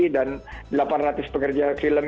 dan delapan ratus pekerja film